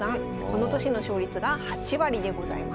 この年の勝率が８割でございます。